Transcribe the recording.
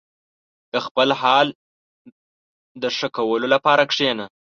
• د خپل حال د ښه کولو لپاره کښېنه.